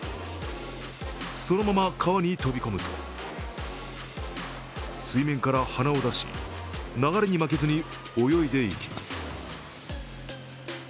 そのまま川に飛び込むと水面から鼻を出し流れに負けずに泳いでいきます。